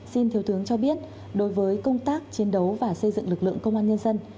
xin thiếu tướng cho biết đối với công tác chiến đấu và xây dựng lực lượng công an nhân dân